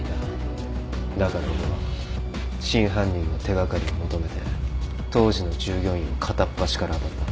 だから俺は真犯人の手掛かりを求めて当時の従業員を片っ端から当たった。